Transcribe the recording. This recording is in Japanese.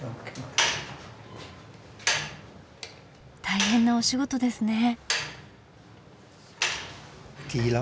大変なお仕事ですね。